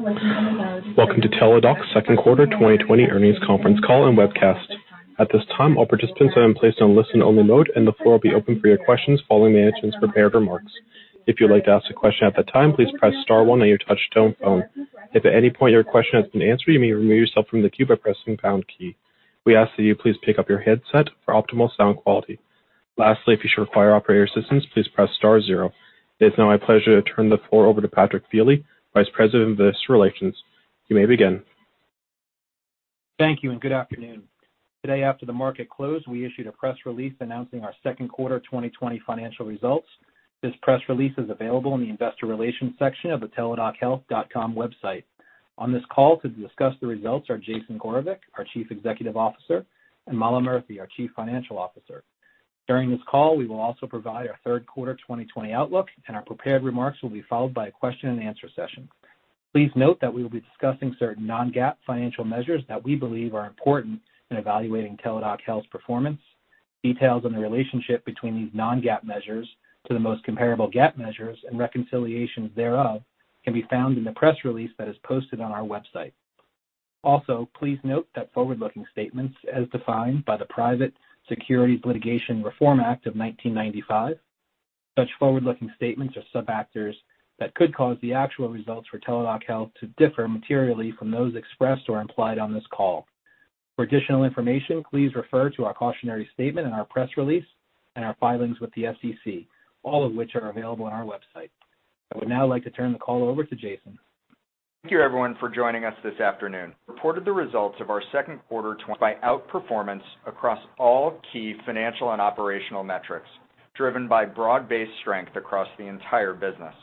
Welcome to Teladoc second quarter 2020 earnings conference call and webcast. At this time, all participants are in place on listen only mode, and the floor will be open for your questions following management's prepared remarks. If you'd like to ask a question at that time, please press star one on your touch-tone phone. If at any point your question has been answered, you may remove yourself from the queue by pressing pound key. We ask that you please pick up your headset for optimal sound quality. Lastly, if you should require operator assistance, please press star zero. It's now my pleasure to turn the floor over to Patrick Feeley, Vice President of Investor Relations. You may begin. Thank you, good afternoon. Today, after the market closed, we issued a press release announcing our second quarter 2020 financial results. This press release is available in the investor relations section of the teladochealth.com website. On this call to discuss the results are Jason Gorevic, our Chief Executive Officer, and Mala Murthy, our Chief Financial Officer. During this call, we will also provide our third quarter 2020 outlook, and our prepared remarks will be followed by a question and answer session. Please note that we will be discussing certain non-GAAP financial measures that we believe are important in evaluating Teladoc Health's performance. Details on the relationship between these non-GAAP measures to the most comparable GAAP measures and reconciliations thereof can be found in the press release that is posted on our website. Also, please note that forward-looking statements as defined by the Private Securities Litigation Reform Act of 1995. Such forward-looking statements are subject to factors that could cause the actual results for Teladoc Health to differ materially from those expressed or implied on this call. For additional information, please refer to our cautionary statement in our press release and our filings with the SEC, all of which are available on our website. I would now like to turn the call over to Jason. Thank you, everyone, for joining us this afternoon. We reported the results of our second quarter by outperformance across all key financial and operational metrics driven by broad-based strength across the entire business.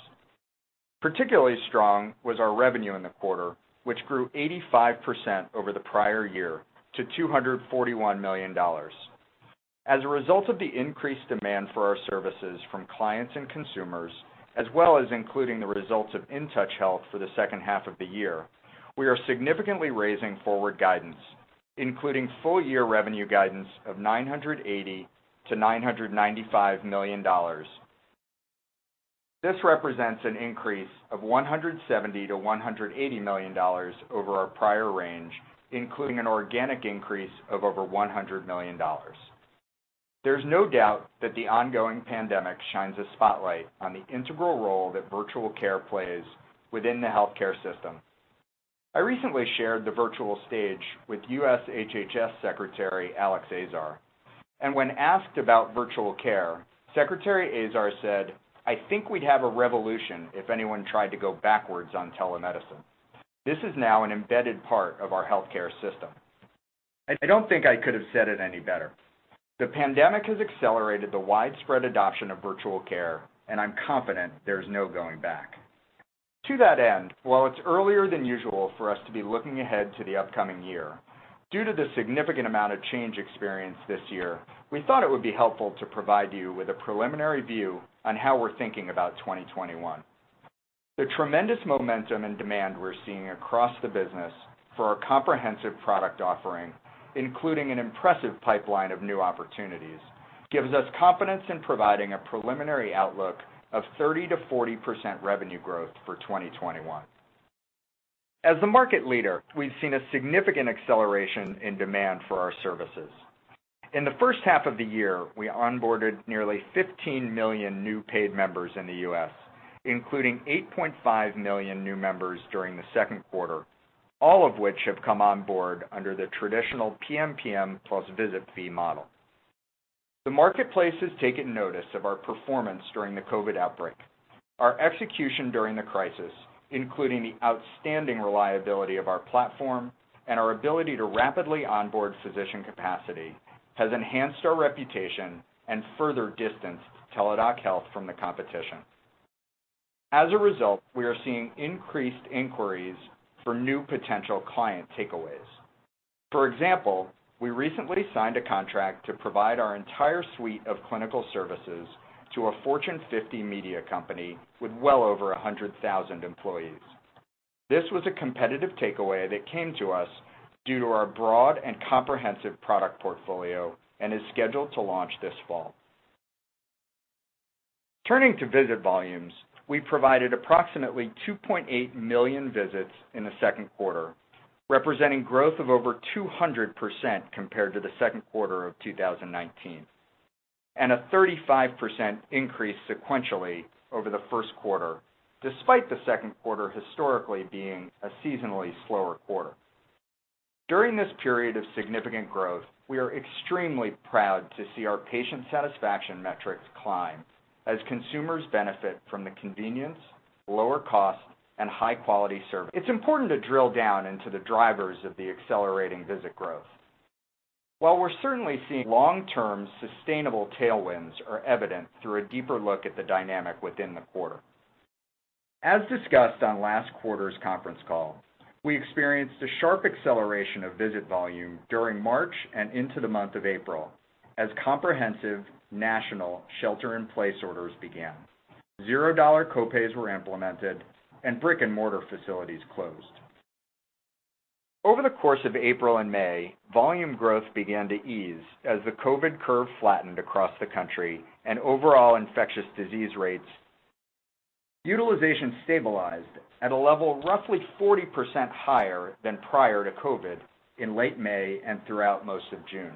Particularly strong was our revenue in the quarter, which grew 85% over the prior year to $241 million. As a result of the increased demand for our services from clients and consumers, as well as including the results of InTouch Health for the second half of the year, we are significantly raising forward guidance, including full year revenue guidance of $980 million-$995 million. This represents an increase of $170 million-$180 million over our prior range, including an organic increase of over $100 million. There's no doubt that the ongoing pandemic shines a spotlight on the integral role that virtual care plays within the healthcare system. When asked about virtual care, Secretary Alex Azar said, "I think we'd have a revolution if anyone tried to go backwards on telemedicine. This is now an embedded part of our healthcare system." I don't think I could have said it any better. The pandemic has accelerated the widespread adoption of virtual care, I'm confident there's no going back. To that end, while it's earlier than usual for us to be looking ahead to the upcoming year, due to the significant amount of change experienced this year, we thought it would be helpful to provide you with a preliminary view on how we're thinking about 2021. The tremendous momentum and demand we're seeing across the business for our comprehensive product offering, including an impressive pipeline of new opportunities, gives us confidence in providing a preliminary outlook of 30%-40% revenue growth for 2021. As the market leader, we've seen a significant acceleration in demand for our services. In the first half of the year, we onboarded nearly 15 million new paid members in the U.S., including 8.5 million new members during the second quarter, all of which have come on board under the traditional PMPM plus visit fee model. The marketplace has taken notice of our performance during the COVID outbreak. Our execution during the crisis, including the outstanding reliability of our platform and our ability to rapidly onboard physician capacity, has enhanced our reputation and further distanced Teladoc Health from the competition. As a result, we are seeing increased inquiries for new potential client takeaways. For example, we recently signed a contract to provide our entire suite of clinical services to a Fortune 50 media company with well over 100,000 employees. This was a competitive takeaway that came to us due to our broad and comprehensive product portfolio and is scheduled to launch this fall. Turning to visit volumes, we provided approximately 2.8 million visits in the second quarter, representing growth of over 200% compared to the second quarter of 2019, and a 35% increase sequentially over the first quarter, despite the second quarter historically being a seasonally slower quarter. During this period of significant growth, we are extremely proud to see our patient satisfaction metrics climb as consumers benefit from the convenience, lower cost, and high-quality service. It's important to drill down into the drivers of the accelerating visit growth. While we're certainly seeing long-term sustainable tailwinds are evident through a deeper look at the dynamic within the quarter. As discussed on last quarter's conference call, we experienced a sharp acceleration of visit volume during March and into the month of April as comprehensive national shelter in place orders began. Zero-dollar copays were implemented and brick and mortar facilities closed. Over the course of April and May, volume growth began to ease as the COVID curve flattened across the country, and overall infectious disease rates. Utilization stabilized at a level roughly 40% higher than prior to COVID in late May and throughout most of June.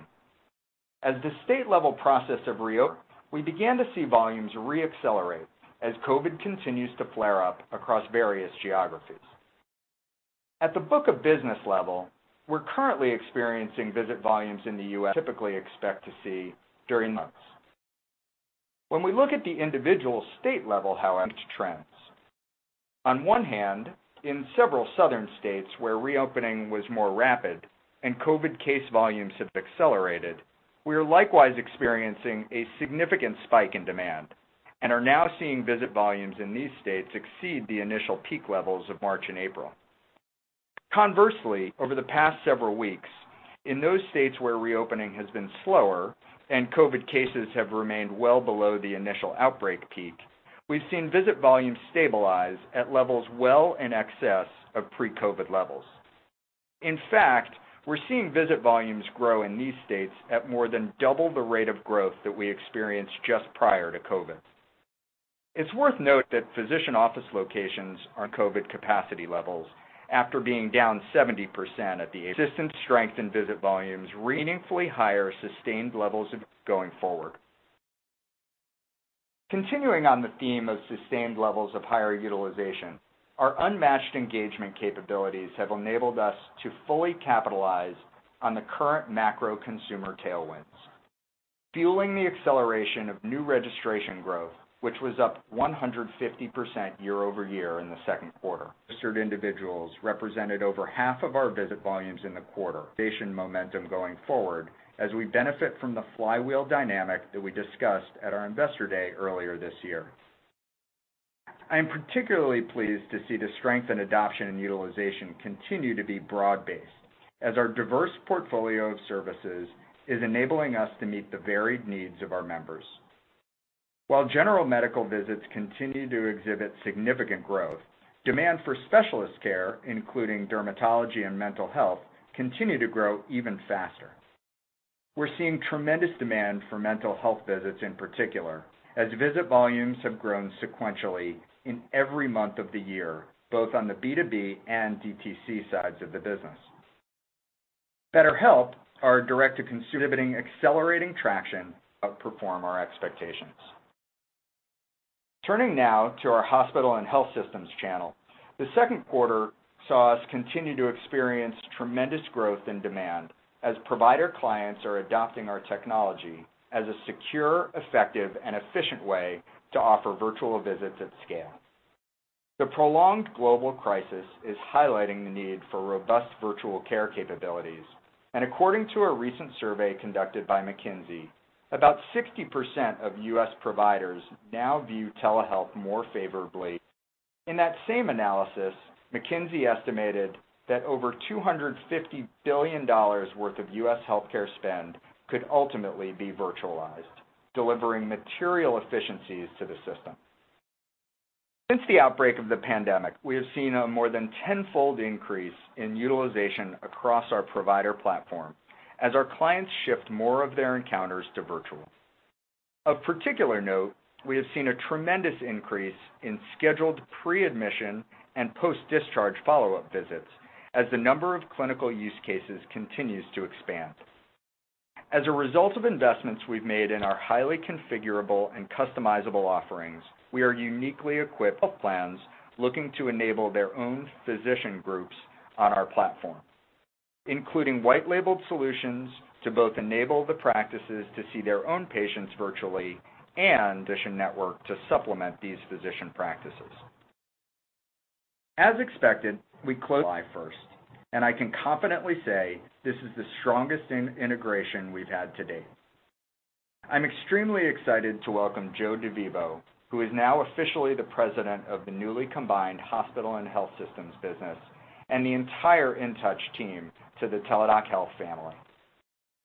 We began to see volumes re-accelerate as COVID continues to flare up across various geographies. At the book of business level, we're currently experiencing visit volumes in the U.S. typically expect to see during the months. When we look at the individual state level, however, trends. On one hand, in several southern states where reopening was more rapid and COVID case volumes have accelerated, we are likewise experiencing a significant spike in demand and are now seeing visit volumes in these states exceed the initial peak levels of March and April. Conversely, over the past several weeks, in those states where reopening has been slower and COVID cases have remained well below the initial outbreak peak, we've seen visit volumes stabilize at levels well in excess of pre-COVID levels. In fact, we're seeing visit volumes grow in these states at more than 2x the rate of growth that we experienced just prior to COVID. It's worth noting that physician office locations on COVID capacity levels after being down 70%, a sustained strength and visit volumes meaningfully higher sustained levels of going forward. Continuing on the theme of sustained levels of higher utilization, our unmatched engagement capabilities have enabled us to fully capitalize on the current macro consumer tailwinds, fueling the acceleration of new registration growth, which was up 150% year-over-year in the second quarter. Individuals represented over half of our visit volumes in the quarter, momentum going forward as we benefit from the flywheel dynamic that we discussed at our Investor Day earlier this year. I am particularly pleased to see the strength in adoption and utilization continue to be broad-based, as our diverse portfolio of services is enabling us to meet the varied needs of our members. While general medical visits continue to exhibit significant growth, demand for specialist care, including dermatology and mental health, continue to grow even faster. We're seeing tremendous demand for mental health visits in particular, as visit volumes have grown sequentially in every month of the year, both on the B2B and DTC sides of the business. BetterHelp, our direct-to-consumer accelerating traction outperform our expectations. Turning now to our hospital and health systems channel. The second quarter saw us continue to experience tremendous growth and demand as provider clients are adopting our technology as a secure, effective, and efficient way to offer virtual visits at scale. The prolonged global crisis is highlighting the need for robust virtual care capabilities, and according to a recent survey conducted by McKinsey, about 60% of U.S. providers now view telehealth more favorably. In that same analysis, McKinsey estimated that over $250 billion worth of U.S. healthcare spend could ultimately be virtualized, delivering material efficiencies to the system. Since the outbreak of the pandemic, we have seen a more than tenfold increase in utilization across our provider platform as our clients shift more of their encounters to virtual. Of particular note, we have seen a tremendous increase in scheduled pre-admission and post-discharge follow-up visits as the number of clinical use cases continues to expand. As a result of investments we've made in our highly configurable and customizable offerings, we are uniquely equipped with plans looking to enable their own physician groups on our platform. Including white-labeled solutions to both enable the practices to see their own patients virtually and addition network to supplement these physician practices. As expected, we closed InTouch Health, and I can confidently say this is the strongest integration we've had to date. I'm extremely excited to welcome Joe DeVivo, who is now officially the President of the newly combined hospital and health systems business, and the entire InTouch team to the Teladoc Health family.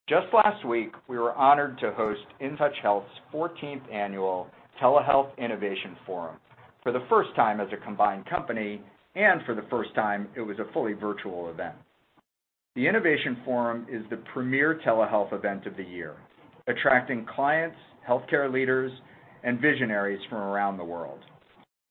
Just last week, we were honored to host InTouch Health's 14th Annual Telehealth Innovation Forum for the first time as a combined company, and for the first time, it was a fully virtual event. The Innovation Forum is the premier telehealth event of the year, attracting clients, healthcare leaders, and visionaries from around the world.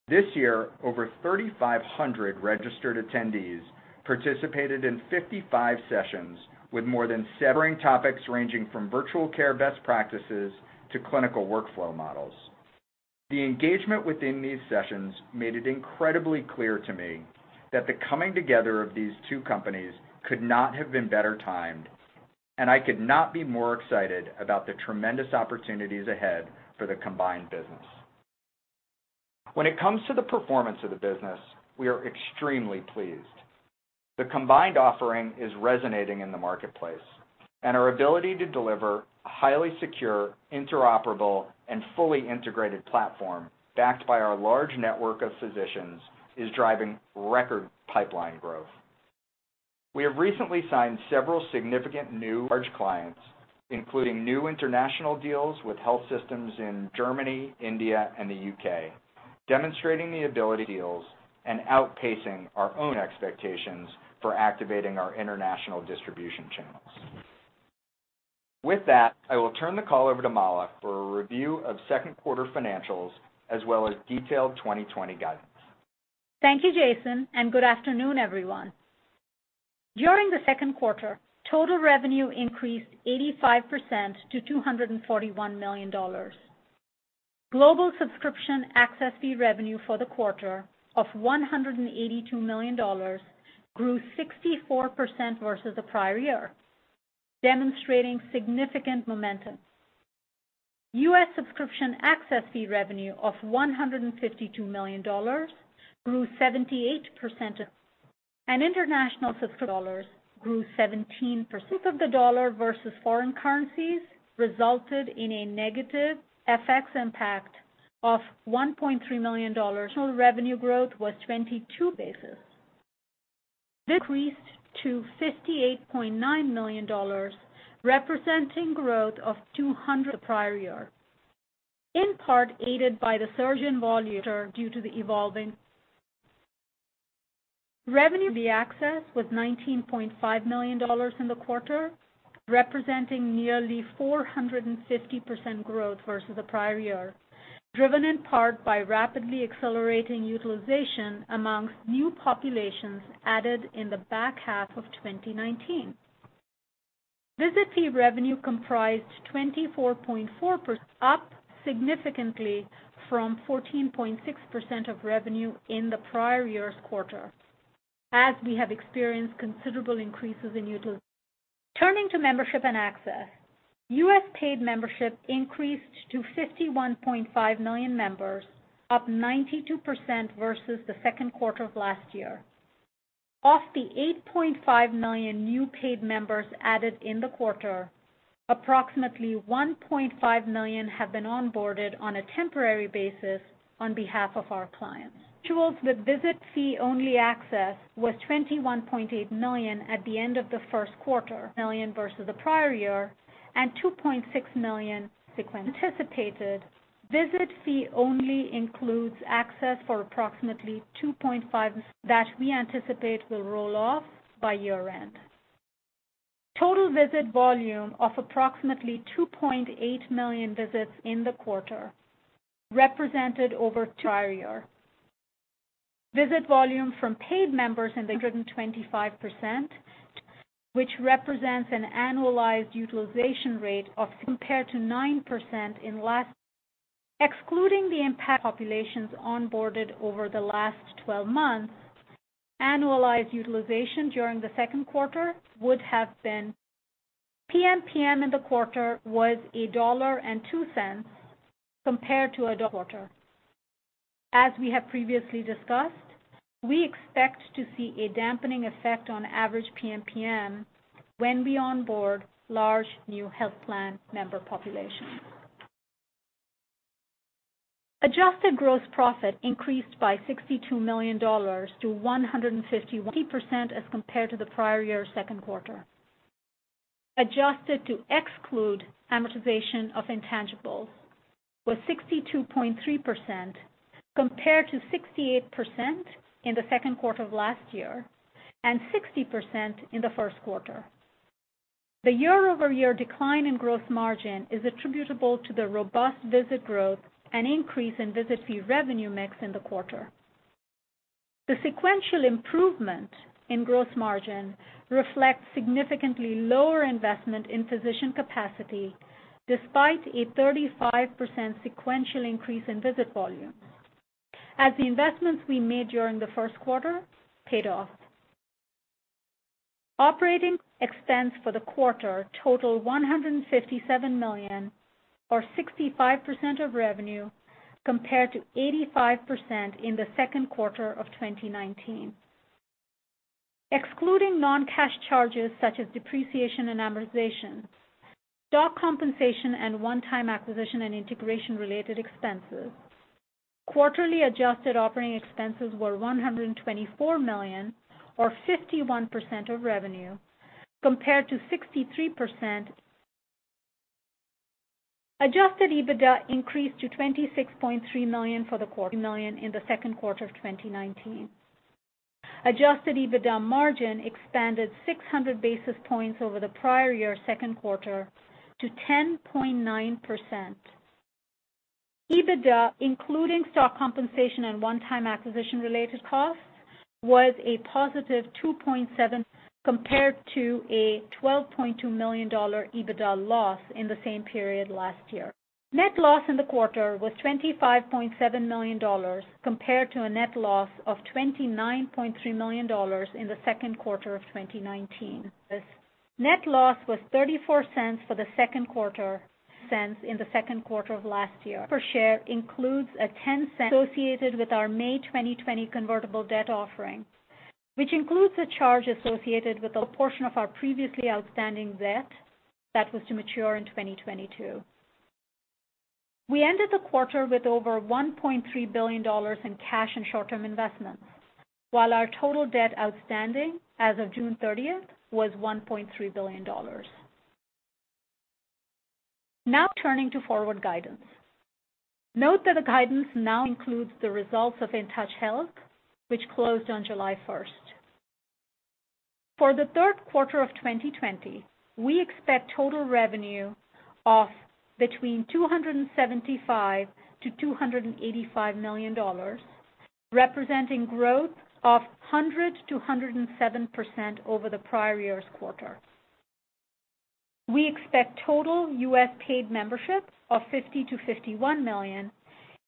This year, over 3,500 registered attendees participated in 55 sessions with more than covering topics ranging from virtual care best practices to clinical workflow models. The engagement within these sessions made it incredibly clear to me that the coming together of these two companies could not have been better timed, and I could not be more excited about the tremendous opportunities ahead for the combined business. When it comes to the performance of the business, we are extremely pleased. The combined offering is resonating in the marketplace, and our ability to deliver a highly secure, interoperable, and fully integrated platform backed by our large network of physicians is driving record pipeline growth. We have recently signed several significant new large clients including new international deals with health systems in Germany, India, and the U.K., demonstrating the ability deals and outpacing our own expectations for activating our international distribution channels. With that, I will turn the call over to Mala for a review of second quarter financials as well as detailed 2020 guidance. Thank you, Jason, and good afternoon, everyone. During the second quarter, total revenue increased 85% to $241 million. Global subscription access fee revenue for the quarter of $182 million grew 64% versus the prior year, demonstrating significant momentum. U.S. subscription access fee revenue of $152 million grew 78%, and international subscription dollars grew 17%. Of the dollar versus foreign currencies resulted in a negative FX impact of $1.3 million. Annual revenue growth was 22 basis. Increased to $58.9 million, representing growth of 200 the prior year, in part aided by the surge in volume quarter due to the evolving. Revenue fee access was $19.5 million in the quarter, representing nearly 450% growth versus the prior year, driven in part by rapidly accelerating utilization amongst new populations added in the back half of 2019. Visit fee revenue comprised 24.4%, up significantly from 14.6% of revenue in the prior year's quarter, as we have experienced considerable increases in utilization. Turning to membership and access, U.S. paid membership increased to 51.5 million members, up 92% versus the second quarter of last year. Of the 8.5 million new paid members added in the quarter, approximately 1.5 million have been onboarded on a temporary basis on behalf of our clients. Individuals with visit fee only access was 21.8 million at the end of the first quarter, million versus the prior year, and 2.6 million sequential. Anticipated visit fee only includes access for approximately 2.5 that we anticipate will roll off by year-end. Total visit volume of approximately 2.8 million visits in the quarter, represented over prior year. Visit volume from paid members in the 125%, which represents an annualized utilization rate of compared to 9% in last. Excluding the impact populations onboarded over the last 12 months, annualized utilization during the second quarter would have been. PMPM in the quarter was $1.02 compared to a quarter. As we have previously discussed, we expect to see a dampening effect on average PMPM when we onboard large new health plan member populations. Adjusted gross profit increased by $62 million to 151% as compared to the prior year second quarter. Adjusted to exclude amortization of intangibles was 62.3% compared to 68% in the second quarter of last year and 60% in the first quarter. The year-over-year decline in gross margin is attributable to the robust visit growth and increase in visit fee revenue mix in the quarter. The sequential improvement in gross margin reflects significantly lower investment in physician capacity, despite a 35% sequential increase in visit volume, as the investments we made during the first quarter paid off. Operating expense for the quarter totaled $157 million or 65% of revenue compared to 85% in the second quarter of 2019. Excluding non-cash charges such as depreciation and amortization, stock compensation and one-time acquisition and integration related expenses, quarterly adjusted operating expenses were $124 million or 51% of revenue, compared to 63%. Adjusted EBITDA increased to $26.3 million for the quarter, million in the second quarter of 2019. Adjusted EBITDA margin expanded 600 basis points over the prior year second quarter to 10.9%. EBITDA, including stock compensation and one-time acquisition related costs, was a positive $2.7 million compared to a $12.2 million EBITDA loss in the same period last year. Net loss in the quarter was $25.7 million compared to a net loss of $29.3 million in the second quarter of 2019. Net loss was $0.34 for the second quarter in the second quarter of last year. Per share includes a $0.10 associated with our May 2020 convertible debt offering, which includes the charge associated with a portion of our previously outstanding debt that was to mature in 2022. We ended the quarter with over $1.3 billion in cash and short-term investments, while our total debt outstanding as of June 30th was $1.3 billion. Now turning to forward guidance. Note that the guidance now includes the results of InTouch Health, which closed on July 1st. For the third quarter of 2020, we expect total revenue of between $275 million-$285 million, representing growth of 100%-107% over the prior year's quarter. We expect total U.S. paid membership of 50 million-51 million,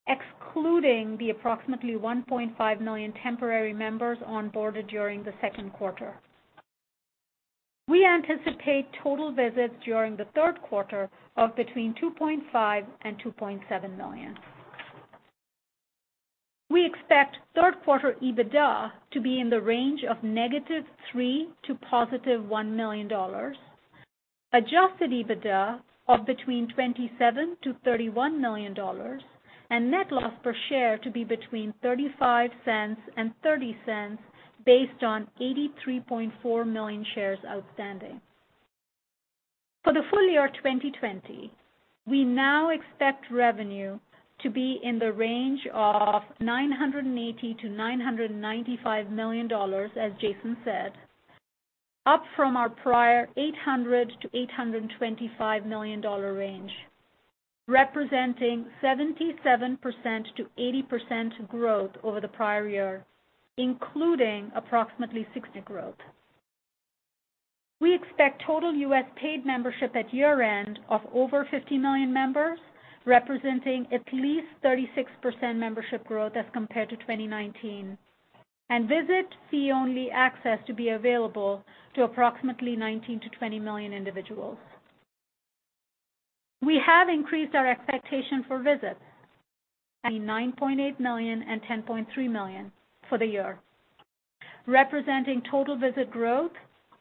excluding the approximately 1.5 million temporary members onboarded during the second quarter. We anticipate total visits during the third quarter of between 2.5 million and 2.7 million. We expect third quarter EBITDA to be in the range of -$3 million to +$1 million, adjusted EBITDA of between $27 million and $31 million, and net loss per share to be between $0.35 and $0.30 based on 83.4 million shares outstanding. For the full year 2020, we now expect revenue to be in the range of $980 million-$995 million, as Jason said, up from our prior $800 million-$825 million range, representing 77%-80% growth over the prior year, including approximately 60% growth. We expect total U.S. paid membership at year-end of over 50 million members, representing at least 36% membership growth as compared to 2019, and Visit fee-only access to be available to approximately 19 million-20 million individuals. We have increased our expectation for visits between 9.8 million and 10.3 million for the year, representing total visit growth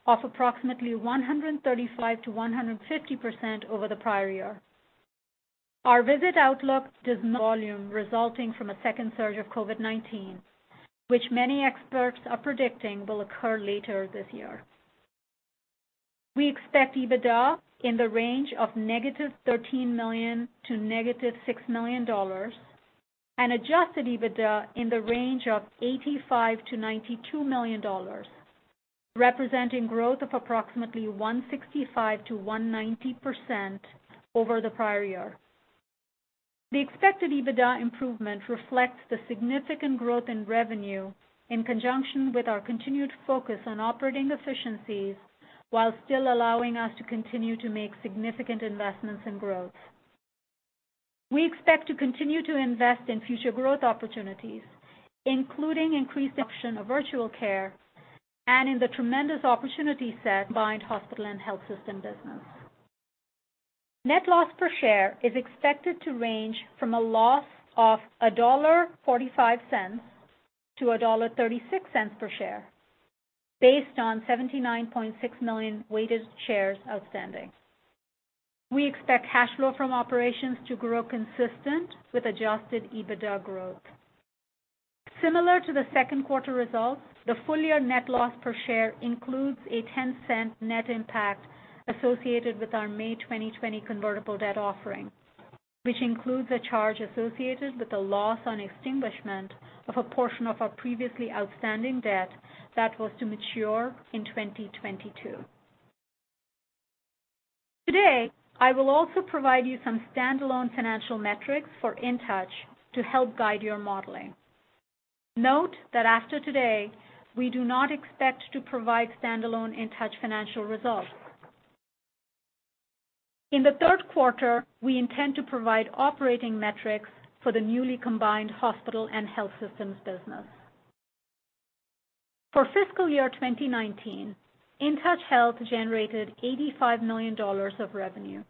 of approximately 135%-150% over the prior year. Our visit outlook does volume resulting from a second surge of COVID-19, which many experts are predicting will occur later this year. We expect EBITDA in the range of -$13 million to -$6 million and adjusted EBITDA in the range of $85 million-$92 million, representing growth of approximately 165%-190% over the prior year. The expected EBITDA improvement reflects the significant growth in revenue in conjunction with our continued focus on operating efficiencies, while still allowing us to continue to make significant investments in growth. We expect to continue to invest in future growth opportunities, including increased adoption of virtual care and in the tremendous opportunity set combined hospital and health system business. Net loss per share is expected to range from a loss of $1.45-$1.36 per share based on 79.6 million weighted shares outstanding. We expect cash flow from operations to grow consistent with adjusted EBITDA growth. Similar to the second quarter results, the full-year net loss per share includes a $0.10 net impact associated with our May 2020 convertible debt offering, which includes a charge associated with the loss on extinguishment of a portion of our previously outstanding debt that was to mature in 2022. Today, I will also provide you some standalone financial metrics for InTouch to help guide your modeling. Note that after today, we do not expect to provide standalone InTouch financial results. In the third quarter, we intend to provide operating metrics for the newly combined hospital and health systems business. For fiscal year 2019, InTouch Health generated $85 million of revenue,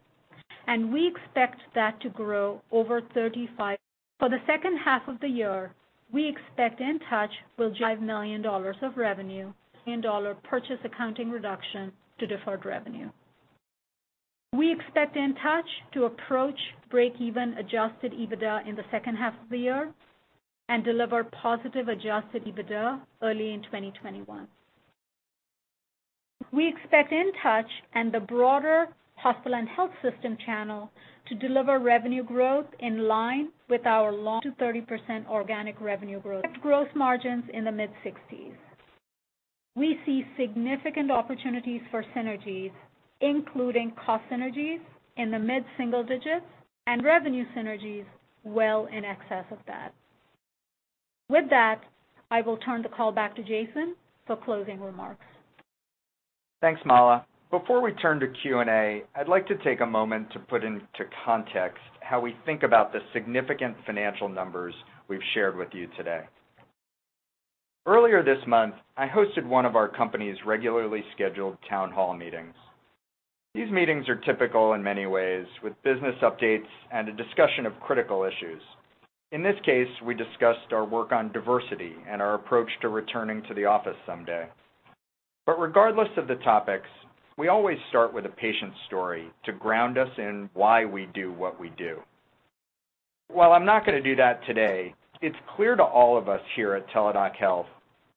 and we expect that to grow over 35%. For the second half of the year, we expect InTouch will generate [$5 million] of revenue, purchase accounting reduction to deferred revenue. We expect InTouch to approach breakeven adjusted EBITDA in the second half of the year and deliver positive adjusted EBITDA early in 2021. We expect InTouch and the broader hospital and health system channel to deliver revenue growth in line with our long 30% organic revenue growth, gross margins in the mid-60s%. We see significant opportunities for synergies, including cost synergies in the mid-single digits and revenue synergies well in excess of that. With that, I will turn the call back to Jason for closing remarks. Thanks, Mala. Before we turn to Q&A, I'd like to take a moment to put into context how we think about the significant financial numbers we've shared with you today. Earlier this month, I hosted one of our company's regularly scheduled town hall meetings. These meetings are typical in many ways, with business updates and a discussion of critical issues. In this case, we discussed our work on diversity and our approach to returning to the office someday. Regardless of the topics, we always start with a patient story to ground us in why we do what we do. While I'm not going to do that today, it's clear to all of us here at Teladoc Health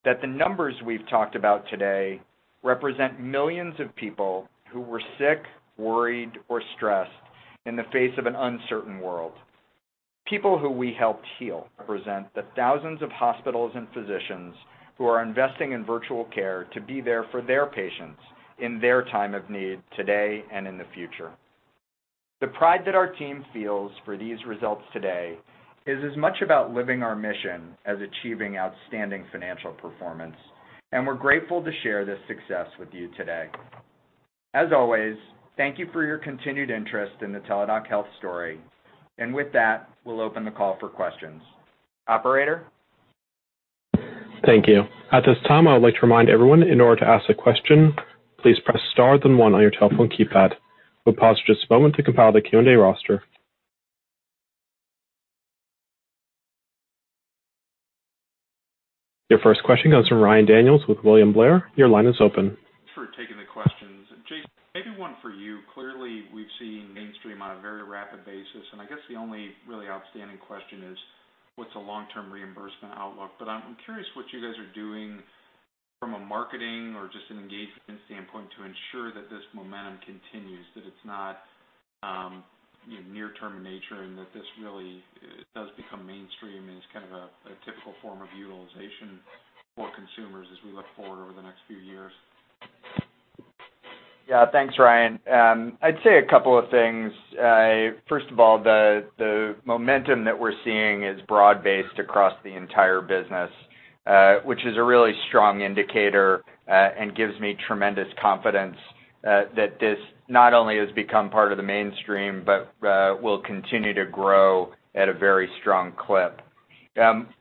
that the numbers we've talked about today represent millions of people who were sick, worried, or stressed in the face of an uncertain world. People who we helped heal represent the thousands of hospitals and physicians who are investing in virtual care to be there for their patients in their time of need today and in the future. The pride that our team feels for these results today is as much about living our mission as achieving outstanding financial performance. We're grateful to share this success with you today. As always, thank you for your continued interest in the Teladoc Health story. With that, we'll open the call for questions. Operator? Thank you. At this time, I would like to remind everyone, in order to ask a question, please press star, then one on your telephone keypad. We'll pause for just a moment to compile the Q&A roster. Your first question comes from Ryan Daniels with William Blair. Your line is open. Thanks for taking the questions. Jason, maybe one for you. Clearly, we've seen mainstream on a very rapid basis, and I guess the only really outstanding question is, what's the long-term reimbursement outlook? I'm curious what you guys are doing from a marketing or just an engagement standpoint to ensure that this momentum continues, that it's not near-term in nature and that this really does become mainstream and is kind of a typical form of utilization for consumers as we look forward over the next few years. Yeah. Thanks, Ryan. I'd say a couple of things. First of all, the momentum that we're seeing is broad-based across the entire business, which is a really strong indicator and gives me tremendous confidence that this not only has become part of the mainstream, but will continue to grow at a very strong clip.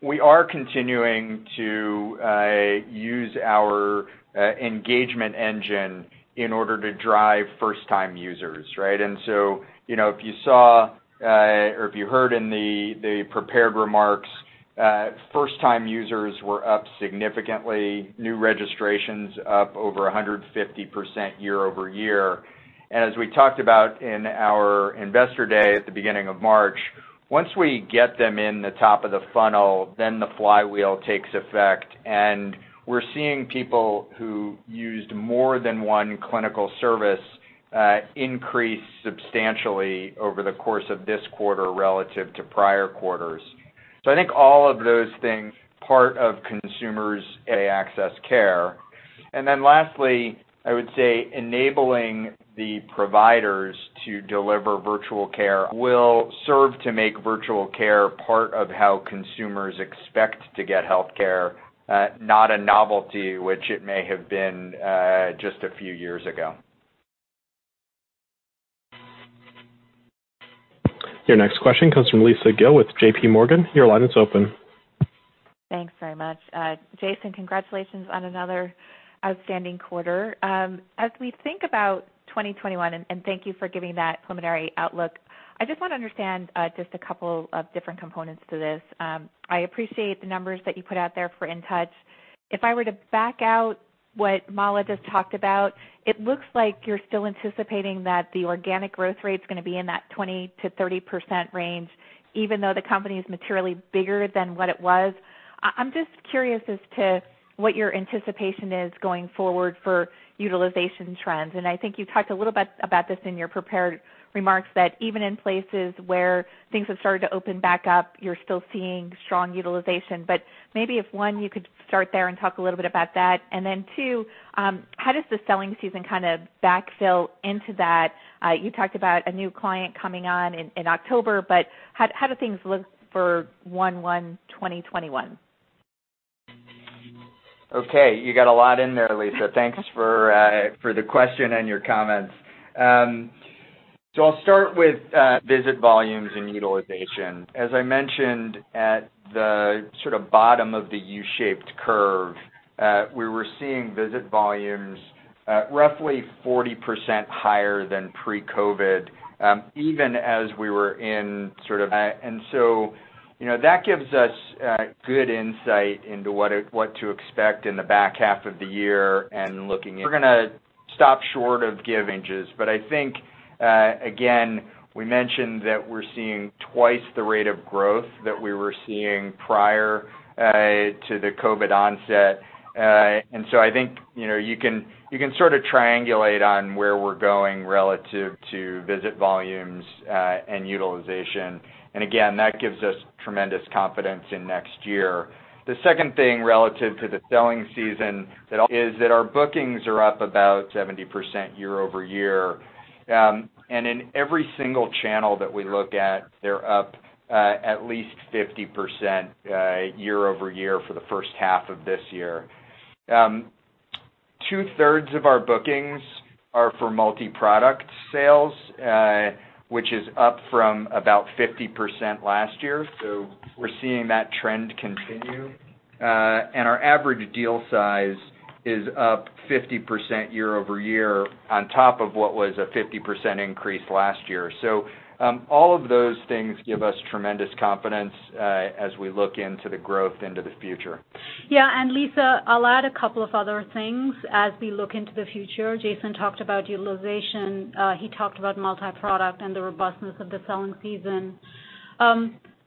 We are continuing to use our engagement engine in order to drive first-time users, right? If you saw, or if you heard in the prepared remarks, first-time users were up significantly, new registrations up over 150% year-over-year. As we talked about in our Investor Day at the beginning of March, once we get them in the top of the funnel, then the flywheel takes effect. We're seeing people who used more than one clinical service increase substantially over the course of this quarter relative to prior quarters. I think all of those things part of consumers access care. Lastly, I would say enabling the providers to deliver virtual care will serve to make virtual care part of how consumers expect to get healthcare, not a novelty, which it may have been just a few years ago. Your next question comes from Lisa Gill with JPMorgan. Your line is open. Thanks very much. Jason, congratulations on another outstanding quarter. We think about 2021, and thank you for giving that preliminary outlook, I just want to understand just a couple of different components to this. I appreciate the numbers that you put out there for InTouch. If I were to back out what Mala just talked about, it looks like you're still anticipating that the organic growth rate's gonna be in that 20%-30% range, even though the company is materially bigger than what it was. I'm just curious as to what your anticipation is going forward for utilization trends. I think you talked a little bit about this in your prepared remarks, that even in places where things have started to open back up, you're still seeing strong utilization. Maybe if, one, you could start there and talk a little bit about that. Two, how does the selling season backfill into that? You talked about a new client coming on in October, how do things look for 01/01/2021? Okay. You got a lot in there, Lisa. Thanks for the question and your comments. I'll start with visit volumes and utilization. As I mentioned at the bottom of the U-shaped curve, we were seeing visit volumes roughly 40% higher than pre-COVID. That gives us good insight into what to expect in the back half of the year. We're gonna stop short of giving just, but I think, again, we mentioned that we're seeing twice the rate of growth that we were seeing prior to the COVID onset. I think you can sort of triangulate on where we're going relative to visit volumes and utilization. Again, that gives us tremendous confidence in next year. The second thing relative to the selling season is that our bookings are up about 70% year-over-year. In every single channel that we look at, they're up at least 50% year-over-year for the first half of this year. Two-thirds of our bookings are for multi-product sales, which is up from about 50% last year. We're seeing that trend continue. Our average deal size is up 50% year-over-year on top of what was a 50% increase last year. All of those things give us tremendous confidence as we look into the growth into the future. Lisa, I'll add a couple of other things as we look into the future. Jason talked about utilization. He talked about multi-product and the robustness of the selling season.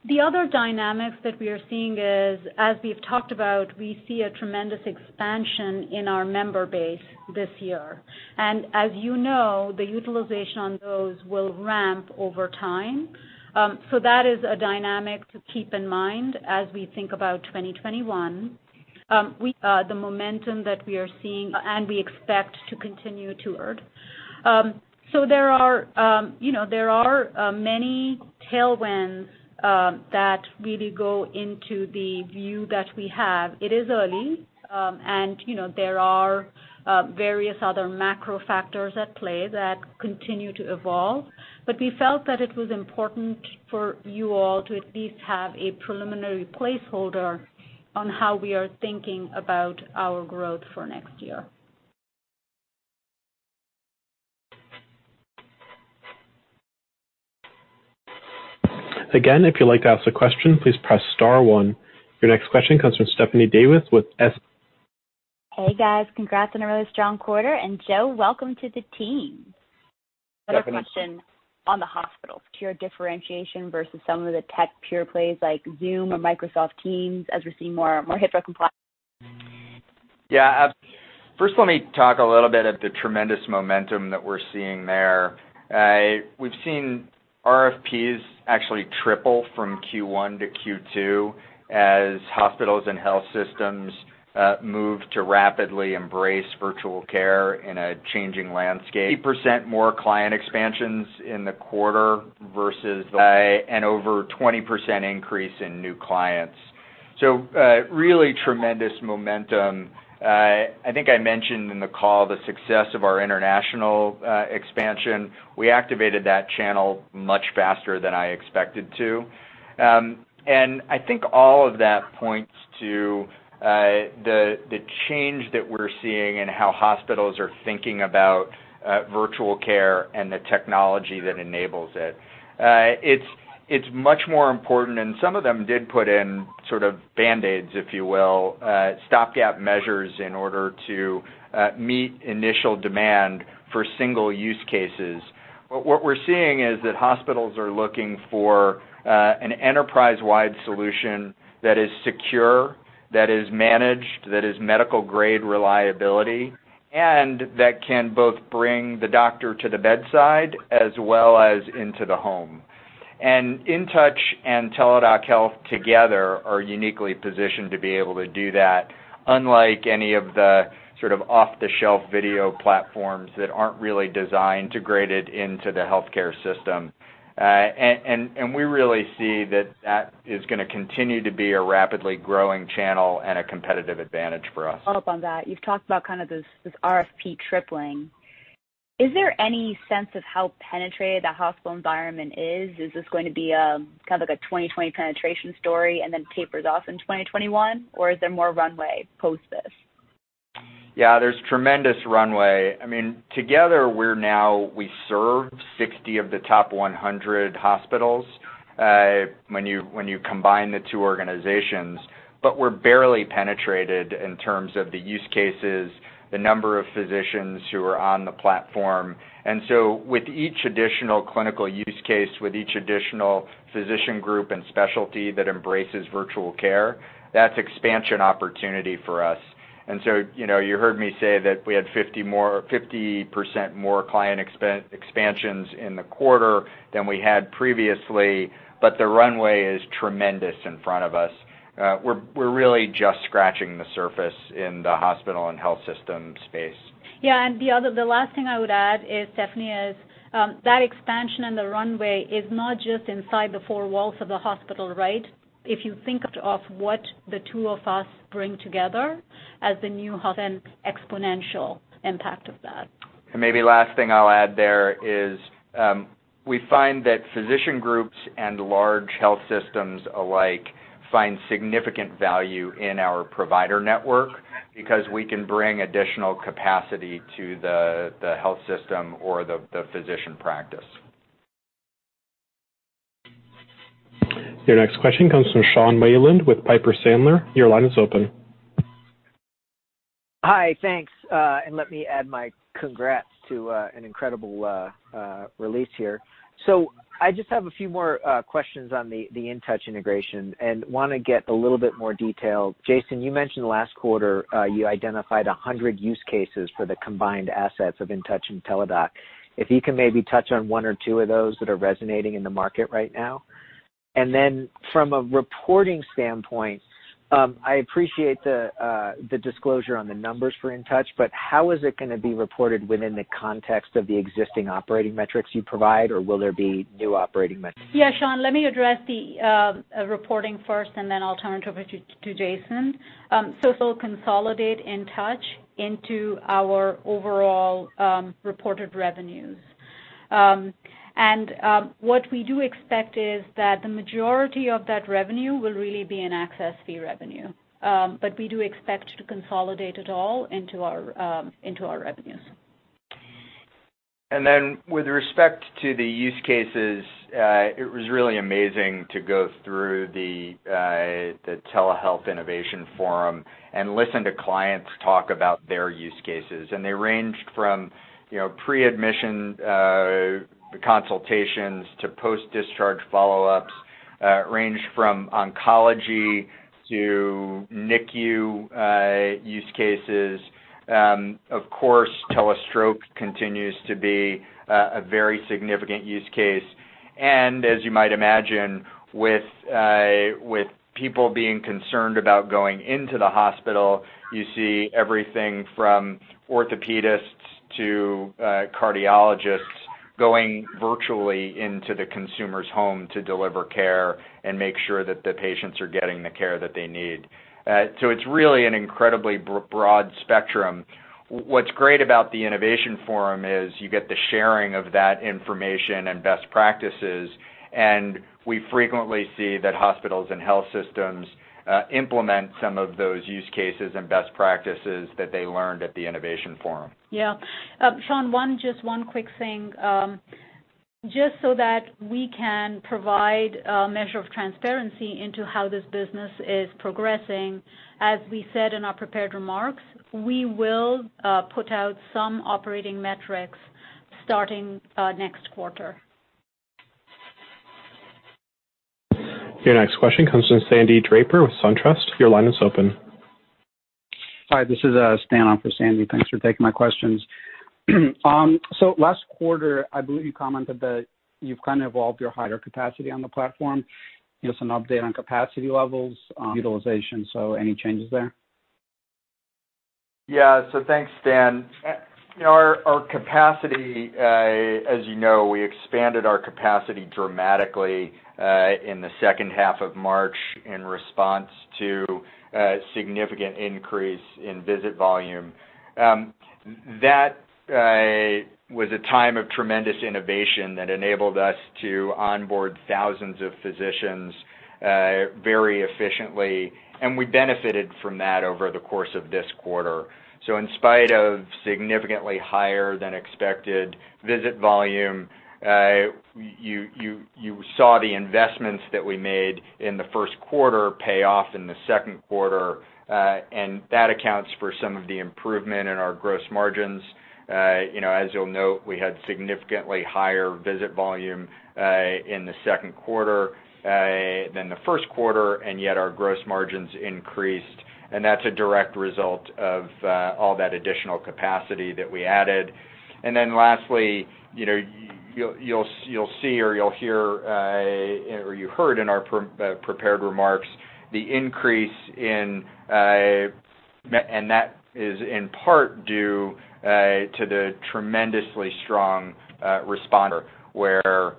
The other dynamics that we are seeing is, as we've talked about, we see a tremendous expansion in our member base this year. As you know, the utilization on those will ramp over time. That is a dynamic to keep in mind as we think about 2021. The momentum that we are seeing, and we expect to continue. There are many tailwinds that really go into the view that we have. It is early, and there are various other macro factors at play that continue to evolve, but we felt that it was important for you all to at least have a preliminary placeholder on how we are thinking about our growth for next year. Again, if you'd like to ask a question, please press star one. Your next question comes from Stephanie Davis. Hey, guys. Congrats on a really strong quarter, and Joe, welcome to the team. Definitely. Another question on the hospitals. To your differentiation versus some of the tech pure plays like Zoom or Microsoft Teams, as we're seeing more HIPAA compliance. Yeah. First, let me talk a little bit of the tremendous momentum that we're seeing there. We've seen RFPs actually triple from Q1 to Q2 as hospitals and health systems move to rapidly embrace virtual care in a changing landscape. 80% more client expansions in the quarter. Over 20% increase in new clients. Really tremendous momentum. I think I mentioned in the call the success of our international expansion. We activated that channel much faster than I expected to. I think all of that points to the change that we're seeing in how hospitals are thinking about virtual care and the technology that enables it. It's much more important, and some of them did put in sort of Band-Aids, if you will, stopgap measures in order to meet initial demand for single use cases. What we're seeing is that hospitals are looking for an enterprise-wide solution that is secure, that is managed, that is medical-grade reliability, and that can both bring the doctor to the bedside as well as into the home. InTouch Health and Teladoc Health together are uniquely positioned to be able to do that, unlike any of the sort of off-the-shelf video platforms that aren't really designed to grade it into the healthcare system. We really see that that is going to continue to be a rapidly growing channel and a competitive advantage for us. Follow up on that. You've talked about this RFP tripling. Is there any sense of how penetrated the hospital environment is? Is this going to be kind of like a 2020 penetration story and then tapers off in 2021, or is there more runway post this? There's tremendous runway. Together, we serve 60 of the top 100 hospitals, when you combine the two organizations. We're barely penetrated in terms of the use cases, the number of physicians who are on the platform. With each additional clinical use case, with each additional physician group and specialty that embraces virtual care, that's expansion opportunity for us. You heard me say that we had 50% more client expansions in the quarter than we had previously, but the runway is tremendous in front of us. We're really just scratching the surface in the hospital and health system space. Yeah, the last thing I would add, Stephanie, is that expansion and the runway is not just inside the four walls of the hospital, right? If you think of what the two of us bring together as Then exponential impact of that. Maybe last thing I'll add there is, we find that physician groups and large health systems alike find significant value in our provider network because we can bring additional capacity to the health system or the physician practice. Your next question comes from Sean Wieland with Piper Sandler. Your line is open. Hi. Thanks. Let me add my congrats to an incredible release here. I just have a few more questions on the InTouch integration and want to get a little bit more detail. Jason, you mentioned last quarter you identified 100 use cases for the combined assets of InTouch and Teladoc. If you can maybe touch on one or two of those that are resonating in the market right now. From a reporting standpoint, I appreciate the disclosure on the numbers for InTouch, but how is it going to be reported within the context of the existing operating metrics you provide, or will there be new operating metrics? Yeah, Sean, let me address the reporting first, and then I'll turn it over to Jason. We'll consolidate InTouch into our overall reported revenues. What we do expect is that the majority of that revenue will really be an access fee revenue. We do expect to consolidate it all into our revenues. With respect to the use cases, it was really amazing to go through the Telehealth Innovation Forum and listen to clients talk about their use cases. They ranged from pre-admission consultations to post-discharge follow-ups, ranged from oncology to NICU use cases. Of course, telestroke continues to be a very significant use case. As you might imagine, with people being concerned about going into the hospital, you see everything from orthopedists to cardiologists going virtually into the consumer's home to deliver care and make sure that the patients are getting the care that they need. It's really an incredibly broad spectrum. What's great about the Innovation Forum is you get the sharing of that information and best practices, we frequently see that hospitals and health systems implement some of those use cases and best practices that they learned at the Innovation Forum. Yeah. Sean, just one quick thing. Just so that we can provide a measure of transparency into how this business is progressing, as we said in our prepared remarks, we will put out some operating metrics starting next quarter. Your next question comes from Sandy Draper with SunTrust. Your line is open. Hi, this is Stan on for Sandy. Thanks for taking my questions. Last quarter, I believe you commented that you've kind of evolved your higher capacity on the platform. Just an update on capacity levels, utilization? Any changes there? Yeah. Thanks, Stan. Our capacity, as you know, we expanded our capacity dramatically, in the second half of March in response to a significant increase in visit volume. That was a time of tremendous innovation that enabled us to onboard thousands of physicians very efficiently, and we benefited from that over the course of this quarter. In spite of significantly higher than expected visit volume, you saw the investments that we made in the first quarter pay off in the second quarter, and that accounts for some of the improvement in our gross margins. As you'll note, we had significantly higher visit volume in the second quarter than the first quarter, and yet our gross margins increased. That's a direct result of all that additional capacity that we added. Lastly, you'll see or you'll hear, or you heard in our prepared remarks. That is in part due to the tremendously strong responder, where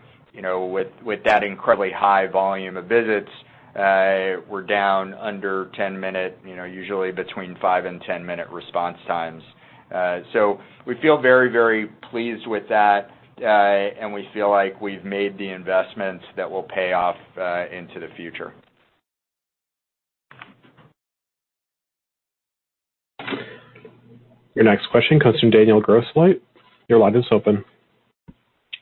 with that incredibly high volume of visits, we're down under 10-minute, usually between five and 10-minute response times. We feel very pleased with that, and we feel like we've made the investments that will pay off into the future. Your next question comes from Daniel Grosslight. Your line is open.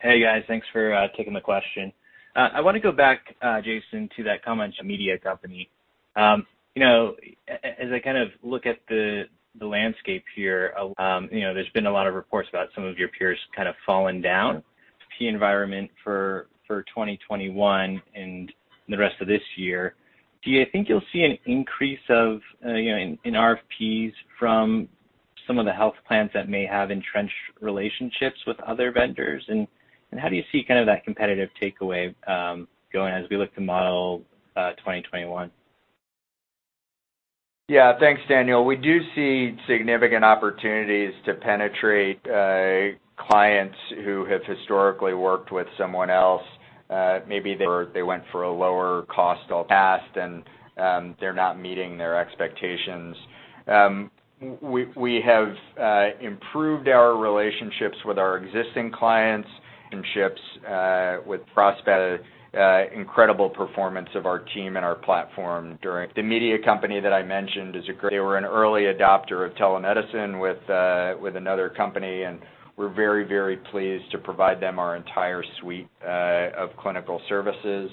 Hey, guys. Thanks for taking the question. I want to go back, Jason, to that comment, media company. As I look at the landscape here, there's been a lot of reports about some of your peers falling down. Key environment for 2021 and the rest of this year. Do you think you'll see an increase in RFPs from some of the health plans that may have entrenched relationships with other vendors? How do you see that competitive takeaway going as we look to model 2021? Thanks, Daniel. We do see significant opportunities to penetrate clients who have historically worked with someone else. Maybe they went for a lower cost alternative in the past, and they're not meeting their expectations. We have improved our relationships with our existing clients. The media company that I mentioned, they were an early adopter of telemedicine with another company, and we're very pleased to provide them our entire suite of clinical services.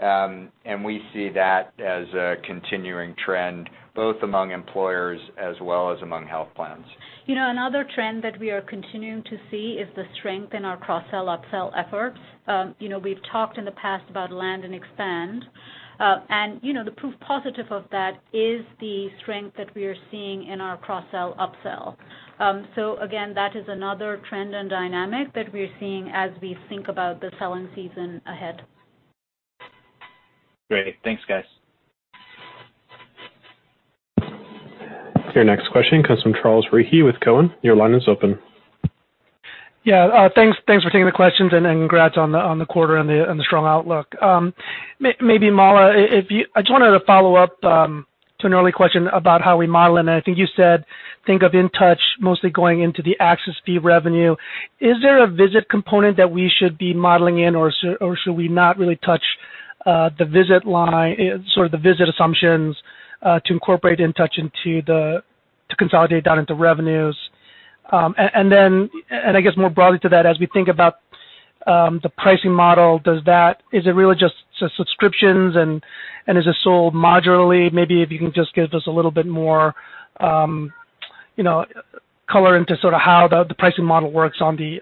We see that as a continuing trend, both among employers as well as among health plans. Another trend that we are continuing to see is the strength in our cross-sell/upsell efforts. We've talked in the past about land and expand. The proof positive of that is the strength that we are seeing in our cross-sell/upsell. Again, that is another trend and dynamic that we're seeing as we think about the selling season ahead. Great. Thanks, guys. Your next question comes from Charles Rhyee with Cowen. Your line is open. Yeah. Thanks for taking the questions and congrats on the quarter and the strong outlook. Maybe Mala, I just wanted to follow up to an early question about how we model, and I think you said think of InTouch mostly going into the access fee revenue. Is there a visit component that we should be modeling in, or should we not really touch the visit line, sort of the visit assumptions, to incorporate InTouch to consolidate down into revenues. I guess more broadly to that, as we think about the pricing model, is it really just subscriptions, and is it sold modularly? Maybe if you can just give us a little bit more color into sort of how the pricing model works on the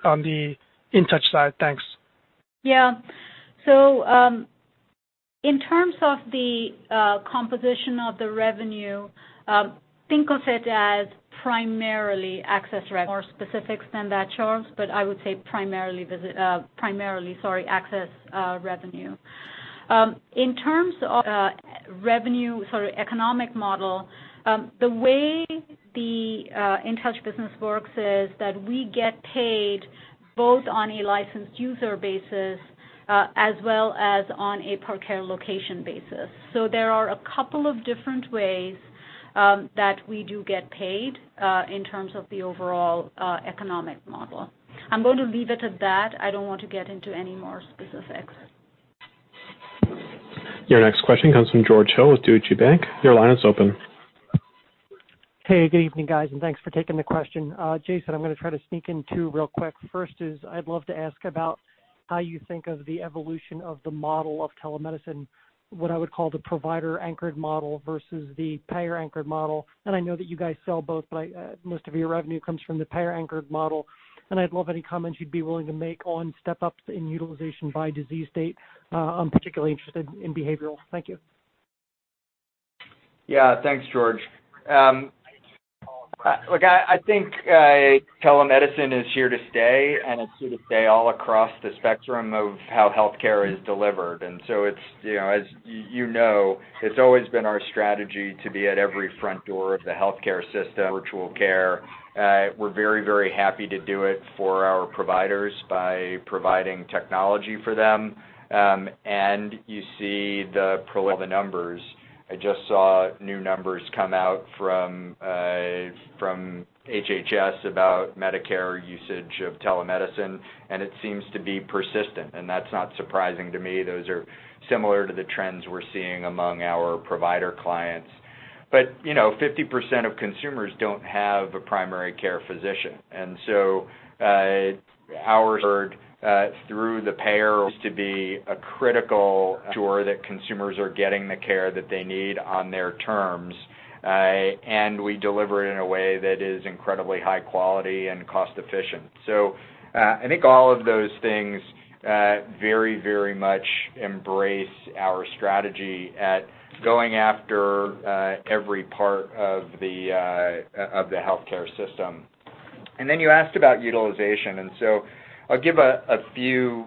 InTouch side. Thanks. Yeah. In terms of the composition of the revenue, think of it as primarily access revenue. More specifics than that, Charles, but I would say primarily, sorry, access revenue. In terms of revenue, sort of economic model, the way the InTouch business works is that we get paid both on a licensed user basis, as well as on a per care location basis. There are a couple of different ways that we do get paid, in terms of the overall economic model. I'm going to leave it at that. I don't want to get into any more specifics. Your next question comes from George Hill with Deutsche Bank. Your line is open. Hey, good evening, guys, thanks for taking the question. Jason, I'm going to try to sneak in two real quick. First is, I'd love to ask about how you think of the evolution of the model of telemedicine, what I would call the provider-anchored model versus the payer-anchored model. I know that you guys sell both, but most of your revenue comes from the payer-anchored model. I'd love any comments you'd be willing to make on step-ups in utilization by disease state. I'm particularly interested in behavioral. Thank you. Thanks, George. Look, I think telemedicine is here to stay, and it's here to stay all across the spectrum of how healthcare is delivered. As you know, it's always been our strategy to be at every front door of the healthcare system. Virtual care, we're very happy to do it for our providers by providing technology for them, and you see all the numbers. I just saw new numbers come out from HHS about Medicare usage of telemedicine, and it seems to be persistent, and that's not surprising to me. Those are similar to the trends we're seeing among our provider clients. 50% of consumers don't have a primary care physician, and so ours, through the payer, used to be a critical ensure that consumers are getting the care that they need on their terms. We deliver it in a way that is incredibly high quality and cost efficient. I think all of those things very much embrace our strategy at going after every part of the healthcare system. Then you asked about utilization, and so I'll give a few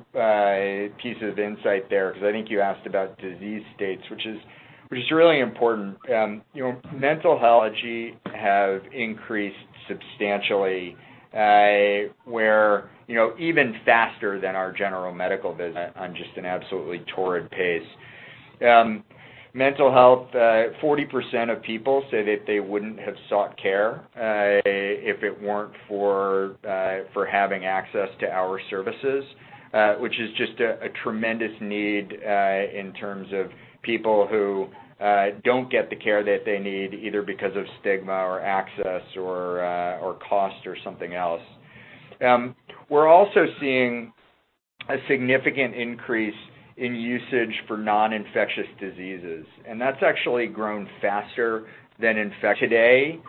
pieces of insight there, because I think you asked about disease states, which is really important. Mental health technology have increased substantially, where even faster than our general medical visit on just an absolutely torrid pace. Mental health, 40% of people say that they wouldn't have sought care, if it weren't for having access to our services. Which is just a tremendous need in terms of people who don't get the care that they need, either because of stigma or access or cost, or something else. We're also seeing a significant increase in usage for non-infectious diseases, and that's actually grown faster than infection. Today,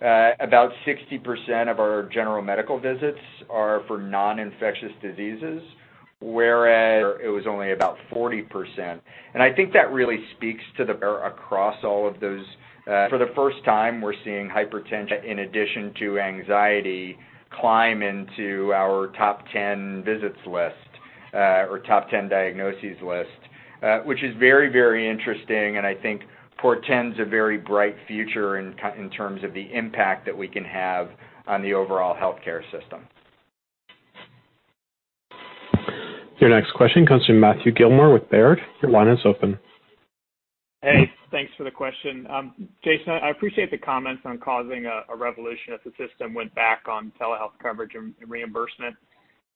about 60% of our general medical visits are for non-infectious diseases, whereas it was only about 40%. I think that really speaks to the. For the first time, we're seeing hypertension in addition to anxiety, climb into our top 10 visits list, or top 10 diagnoses list, which is very interesting and I think portends a very bright future in terms of the impact that we can have on the overall healthcare system. Your next question comes from Matthew Gillmor with Baird. Your line is open. Hey, thanks for the question. Jason, I appreciate the comments on causing a revolution if the system went back on telehealth coverage and reimbursement.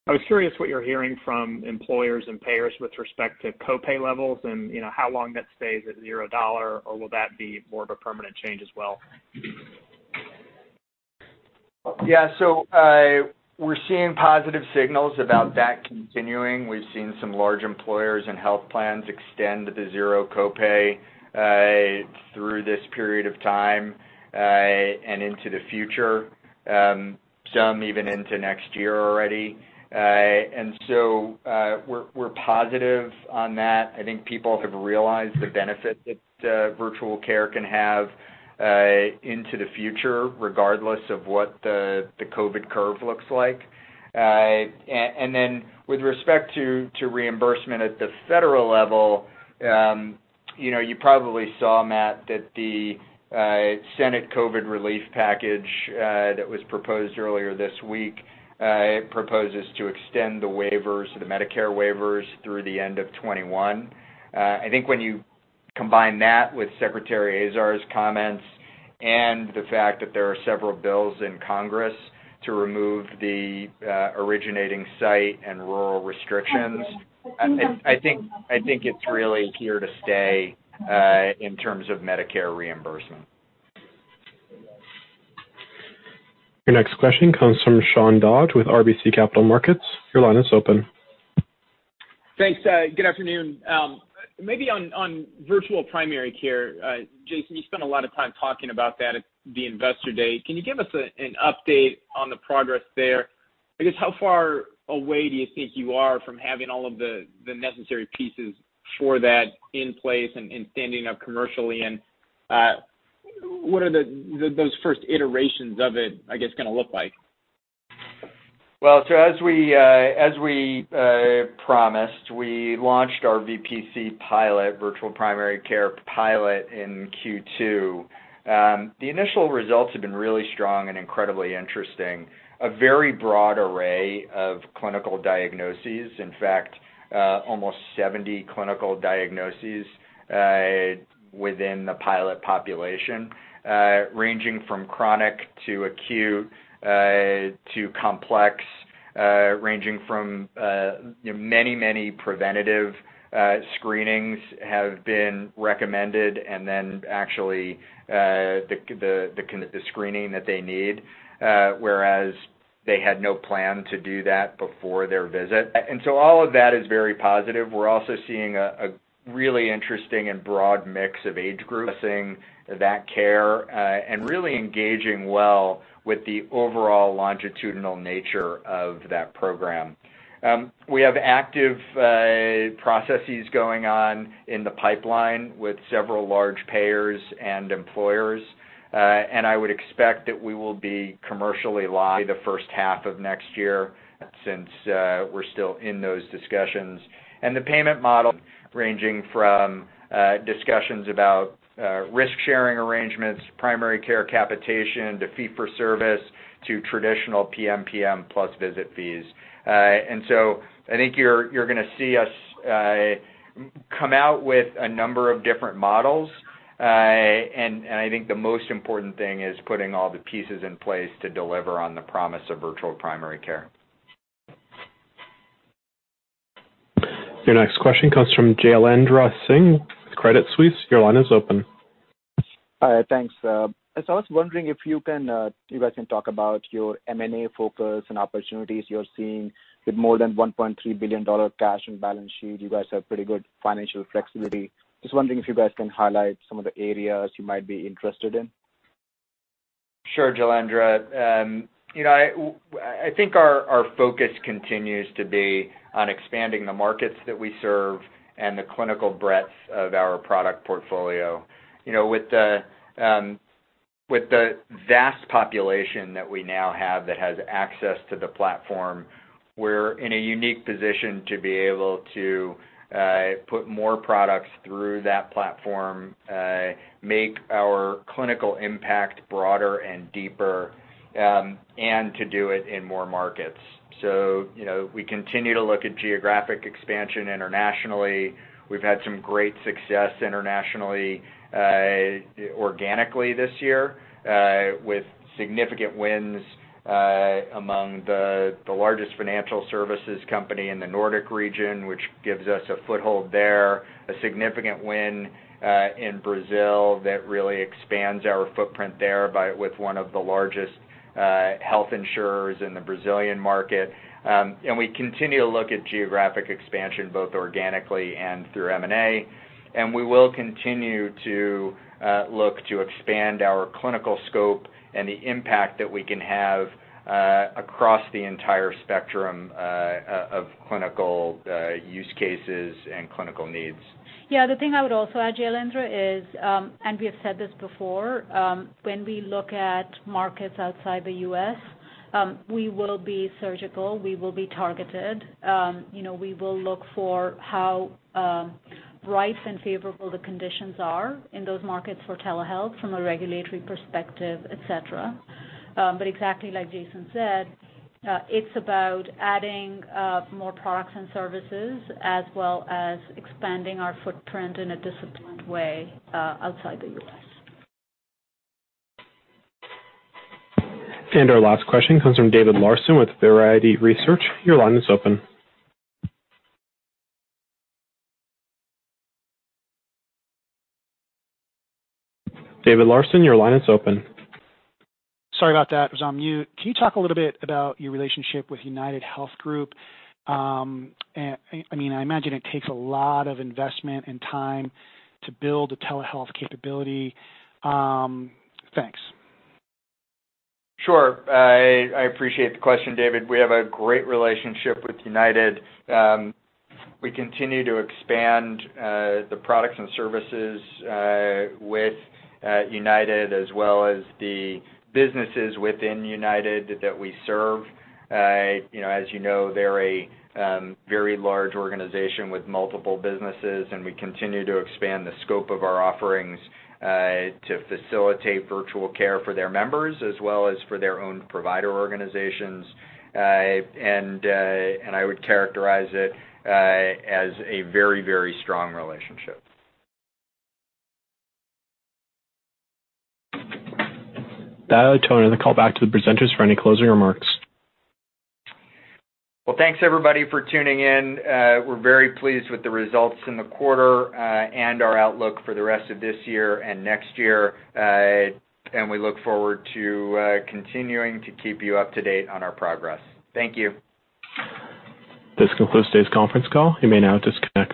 I was curious what you are hearing from employers and payers with respect to co-pay levels and how long that stays at $0 or will that be more of a permanent change as well? Yeah. We're seeing positive signals about that continuing. We've seen some large employers and health plans extend the zero co-pay through this period of time, and into the future, some even into next year already. We're positive on that. I think people have realized the benefit that virtual care can have into the future, regardless of what the COVID curve looks like. With respect to reimbursement at the federal level, you probably saw, Matt, that the Senate COVID relief package that was proposed earlier this week, proposes to extend the waivers or the Medicare waivers through the end of 2021. I think when you combine that with Secretary Azar's comments and the fact that there are several bills in Congress to remove the originating site and rural restrictions, I think it's really here to stay in terms of Medicare reimbursement. Your next question comes from Sean Dodge with RBC Capital Markets. Your line is open. Thanks. Good afternoon. Maybe on virtual primary care. Jason, you spent a lot of time talking about that at the Investor Day. Can you give us an update on the progress there? I guess, how far away do you think you are from having all of the necessary pieces for that in place and standing up commercially, and what are those first iterations of it, I guess, going to look like? As we promised, we launched our VPC pilot, Virtual Primary Care pilot, in Q2. The initial results have been really strong and incredibly interesting. A very broad array of clinical diagnoses, in fact, almost 70 clinical diagnoses within the pilot population, ranging from chronic to acute to complex, ranging from many preventative screenings have been recommended and then actually the screening that they need, whereas they had no plan to do that before their visit. All of that is very positive. We're also seeing a really interesting and broad mix of age groups accessing that care and really engaging well with the overall longitudinal nature of that program. We have active processes going on in the pipeline with several large payers and employers. I would expect that we will be commercially live the first half of next year since we're still in those discussions. The payment model ranging from discussions about risk-sharing arrangements, primary care capitation, to fee for service, to traditional PMPM plus visit fees. I think you're going to see us come out with a number of different models. I think the most important thing is putting all the pieces in place to deliver on the promise of virtual primary care. Your next question comes from Jailendra Singh with Credit Suisse. Your line is open. Thanks. I was wondering if you guys can talk about your M&A focus and opportunities you're seeing with more than $1.3 billion cash in balance sheet. You guys have pretty good financial flexibility. Just wondering if you guys can highlight some of the areas you might be interested in. Sure, Jailendra. I think our focus continues to be on expanding the markets that we serve and the clinical breadth of our product portfolio. With the vast population that we now have that has access to the platform, we're in a unique position to be able to put more products through that platform, make our clinical impact broader and deeper, and to do it in more markets. We continue to look at geographic expansion internationally. We've had some great success internationally organically this year, with significant wins among the largest financial services company in the Nordic region, which gives us a foothold there, a significant win in Brazil that really expands our footprint there with one of the largest health insurers in the Brazilian market. We continue to look at geographic expansion, both organically and through M&A. We will continue to look to expand our clinical scope and the impact that we can have across the entire spectrum of clinical use cases and clinical needs. Yeah. The thing I would also add, Jailendra, is, and we have said this before, when we look at markets outside the U.S., we will be surgical, we will be targeted. We will look for how ripe and favorable the conditions are in those markets for telehealth from a regulatory perspective, et cetera. Exactly like Jason said, it's about adding more products and services as well as expanding our footprint in a disciplined way outside the U.S. Our last question comes from David Larsen with Verity Research. Your line is open. David Larsen, your line is open. Sorry about that, was on mute. Can you talk a little bit about your relationship with UnitedHealth Group? I imagine it takes a lot of investment and time to build a telehealth capability. Thanks. Sure. I appreciate the question, David. We have a great relationship with United. We continue to expand the products and services with United as well as the businesses within United that we serve. As you know, they're a very large organization with multiple businesses, and we continue to expand the scope of our offerings to facilitate virtual care for their members as well as for their own provider organizations. I would characterize it as a very strong relationship. Dial tone of the call back to the presenters for any closing remarks. Well, thanks everybody for tuning in. We're very pleased with the results in the quarter and our outlook for the rest of this year and next year. We look forward to continuing to keep you up to date on our progress. Thank you. This concludes today's conference call. You may now disconnect.